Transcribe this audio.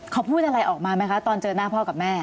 เขาพูดอะไรออกมาไหมคะตอนเจอหน้าพ่อกับแม่